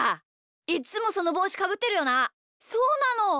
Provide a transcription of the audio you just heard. いっつもそのぼうしかぶってるよな。